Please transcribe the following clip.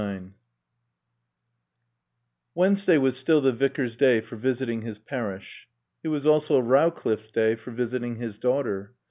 LIX Wednesday was still the Vicar's day for visiting his parish. It was also Rowcliffe's day for visiting his daughter.